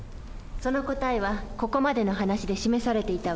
その答えはここまでの話で示されていたわ。